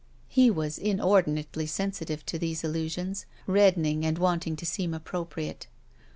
He was inordinately sensitive to these alltisions, reddening and wanting to seem appropriate.